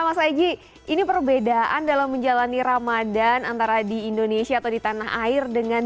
mas aji ini perbedaan dalam menjalani ramadan antara di indonesia atau di tanah air dengan